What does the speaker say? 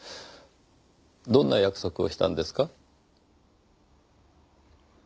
どんな約束をしたんですか？